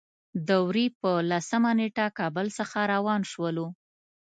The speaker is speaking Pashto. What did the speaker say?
د وري په لسمه نېټه کابل څخه روان شولو.